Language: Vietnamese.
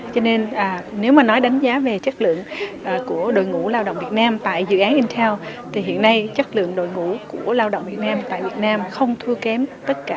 cho nên nếu mà nói đánh giá về chất lượng của đội ngũ lao động việt nam tại dự án intel thì hiện nay chất lượng đội ngũ của lao động việt nam tại việt nam không thua kém tất cả các nhà máy của intel ở trên các nước khác